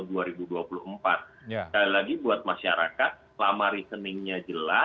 sekali lagi buat masyarakat lama reasoningnya jelas